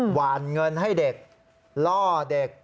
หวานเงินให้เด็กล่อเด็ก